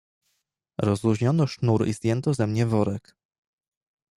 "Rozluźniono sznur i zdjęto ze mnie worek."